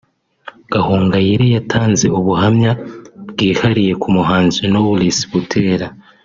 Gahongayire yatanze ubuhamya bwihariye ku muhanzi Knowless Butera